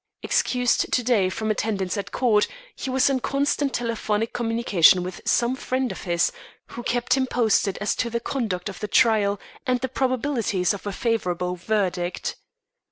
Excused to day from attendance at court, he was in constant telephonic communication with some friend of his, who kept him posted as to the conduct of the trial and the probabilities of a favourable verdict.